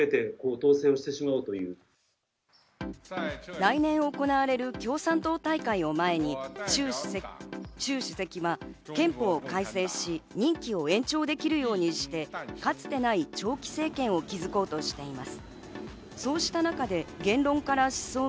来年行われる共産党大会を前にシュウ主席は憲法を改正し、任期を延長できるようにして、かつてない長期政権を築こうとしています。